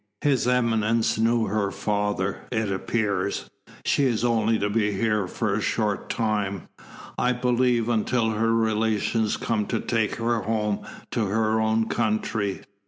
His eminence knew her father, it appears. She is only to be here for a short time, I believe, until her relations come to take her home to her own country.